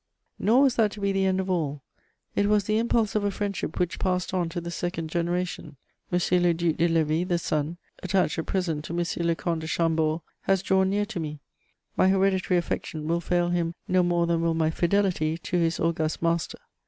Nor was that to be the end of all: it was the impulse of a friendship which passed on to the second generation. M. le Duc de Lévis, the son, attached at present to M. le Comte de Chambord, has drawn near to me; my hereditary affection will fail him no more than will my fidelity to his august master.